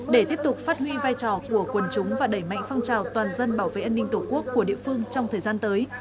để tiếp tục phát huy vai trò của quần chúng và đẩy mạnh phong trào toàn dân bảo vệ an ninh tổ quốc của địa phương trong thời gian tới